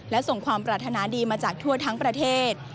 และส่งความปรารถนาดีมาจากทั่วทั้งประเทศ